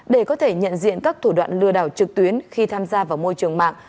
để có thể nhận diện các thủ đoạn lừa đảo trực tuyến khi tham gia vào môi trường mạng